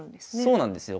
そうなんですよ。